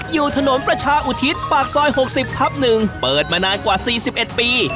อยู่ถนนประชาอุทิศปากซอย๖๐ทับ๑เปิดมานานกว่า๔๑ปี